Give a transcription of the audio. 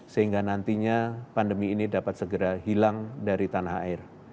sehingga nantinya pandemi ini dapat segera hilang dari tanah air